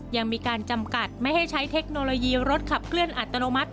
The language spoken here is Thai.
ยังมีการจำกัดไม่ให้ใช้เทคโนโลยีรถขับเคลื่อนอัตโนมัติ